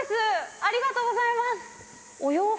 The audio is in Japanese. ありがとうございます。